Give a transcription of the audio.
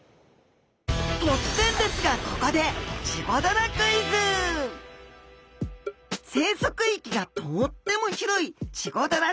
突然ですがここで生息域がとっても広いチゴダラちゃん。